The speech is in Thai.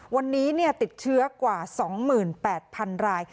วันนี้เนี่ยติดเชื้อกว่าสองหมื่นแปดพันราย